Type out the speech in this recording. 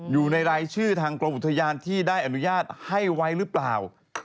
อยู่ในรายชื่อทางกรมอุทยานที่ได้อนุญาตให้ไว้หรือเปล่า